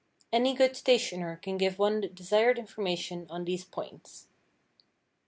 Any good stationer can give one the desired information on these points.